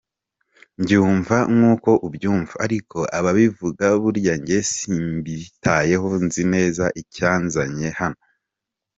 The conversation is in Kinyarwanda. Mbyumva nk’uko ubyumva, ariko ababivuga burya njye simbitayeho, nzi neza icyanzanye hano…”.